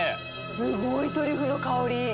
すごいトリュフの香り。